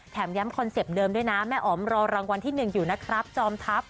แถมย้ำคอนเซ็ปต์เดิมด้วยนะแม่อ๋อมรอรางวัลที่๑อยู่นะครับจอมทัพ